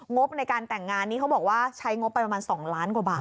งบในการแต่งงานนี้เขาบอกว่าใช้งบไปประมาณ๒ล้านกว่าบาท